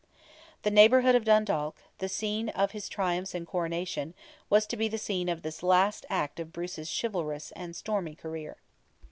The neighbourhood of Dundalk, the scene of his triumphs and coronation, was to be the scene of this last act of Bruce's chivalrous and stormy career.